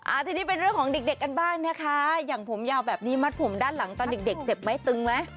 ทีนี้เป็นเรื่องของเด็กเด็กกันบ้างนะคะอย่างผมยาวแบบนี้มัดผมด้านหลังตอนเด็กเด็กเจ็บไหมตึงไหม